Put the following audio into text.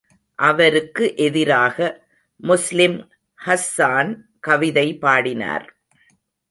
அவருக்கு எதிராக, முஸ்லிம் ஹஸ்ஸான் கவிதை பாடினார்.